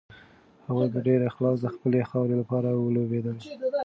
هغوی په ډېر اخلاص د خپلې خاورې لپاره ولوبېدل.